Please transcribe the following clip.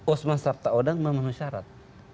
osma sarta odang memenuhi syarat